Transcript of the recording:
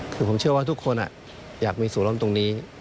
คือผมเชื่อว่าทุกคนอยากมีสู่ร้อนตรงนี้